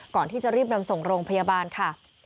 ก่อนที่จะรีบนำส่งโรงพยาบาลค่ะ